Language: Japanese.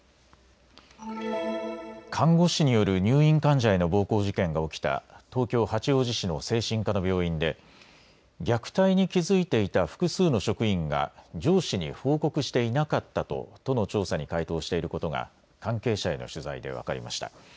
看護師による入院患者への暴行事件が起きた東京八王子市の精神科の病院で虐待に気付いていた複数の職員が上司に報告していなかったと都の調査に回答していることが関係者への取材で分かりました。